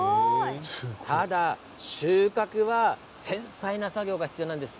ただ、収穫は繊細な作業が必要なんです。